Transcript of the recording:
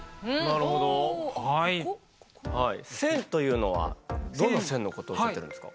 線というのはどの線のことを言ってるんですか？